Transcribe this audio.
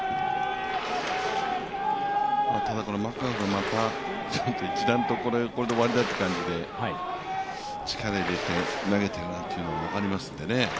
ただマクガフが一段と、これで終わりだという感じで力を入れて投げているなという感じが分かりますよね。